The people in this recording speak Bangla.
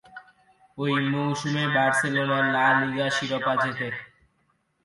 ঐ মৌসুমে বার্সেলোনা লা লিগা শিরোপা জেতে।